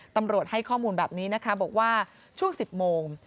ตำรวจให้ข้อมูลแบบนี้นะคะบอกว่าช่วง๑๐โมง